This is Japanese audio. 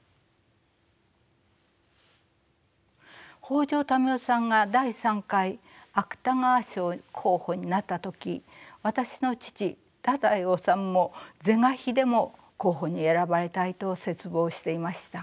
北条民雄さんが第３回芥川賞候補になった時私の父太宰治も是が非でも候補に選ばれたいと切望していました。